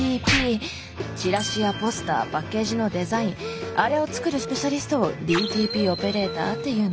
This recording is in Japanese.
チラシやポスターパッケージのデザインあれを作るスペシャリストをＤＴＰオペレーターっていうの。